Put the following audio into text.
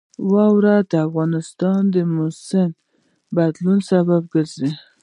واوره د افغانستان د موسم د بدلون سبب کېږي.